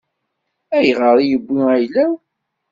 Ayɣer i yewwi ayla-w?